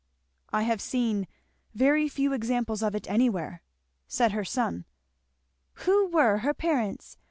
"I have seen very few examples of it anywhere," said her son. "Who were her parents?"